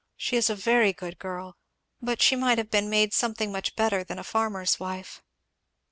She is a very good girl! but she might have been made something much better than a farmer's wife."